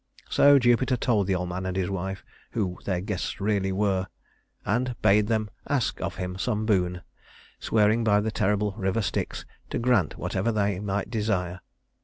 So Jupiter told the old man and his wife who their guests really were, and bade them ask of him some boon, swearing by the terrible river Styx to grant whatever they might desire.